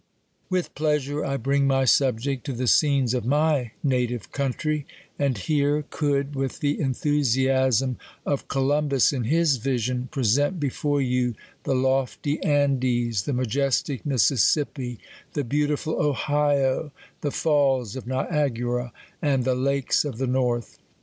With pleasure I bring my subject to the scenes of my native country ; and here could, with the enthusiasm of Columbus in his vision, present before you the lofty Andes, the majestic Mississippi, the beautiful Ohio, the falls of Niagara, and the lakes of the north.